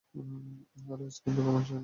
আরে, আজকে বেগম, নিচে বসেছে।